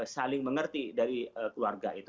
saling mengerti dari keluarga itu